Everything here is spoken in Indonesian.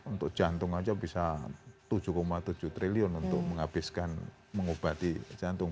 untuk jantung saja bisa tujuh tujuh triliun untuk menghabiskan mengobati jantung